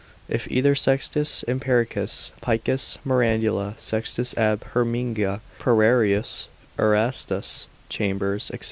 If either Sextus Empericus, Picus Mirandula, Sextus ab Heminga, Pererius, Erastus, Chambers, &c.